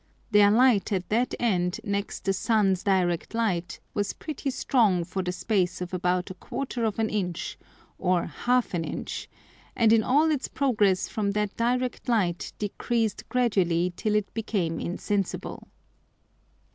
Their Light at that end next the Sun's direct Light was pretty strong for the space of about a quarter of an Inch, or half an Inch, and in all its progress from that direct Light decreased gradually till it became insensible.